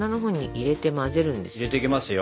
入れていきますよ。